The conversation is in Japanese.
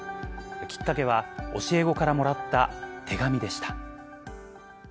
きっかけは、教え子からもらった手紙でした。